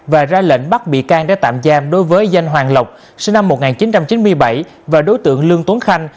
và ra lệnh bắt bị can để tạm giam đối với danh hoàng lộc sinh năm một nghìn chín trăm chín mươi bảy và đối tượng lương tuấn khanh